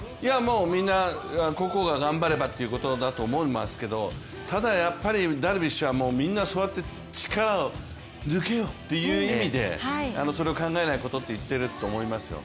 みんな個々が頑張ればということだと思いますけどただやっぱりダルビッシュはみんなそうやって力を抜けよっていう意味で、それを考えないことと言っていると思いますよ。